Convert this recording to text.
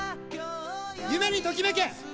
夢にときめけ！